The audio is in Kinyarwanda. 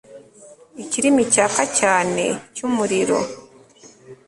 ikirimi cyaka cyane, cy'umuriro